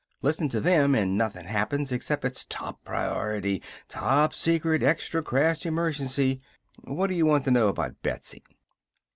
Listen to them, and nothin' happens except it's top priority top secret extra crash emergency! What do you want to know about Betsy?"